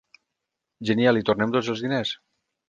Genial i tornen tots els diners?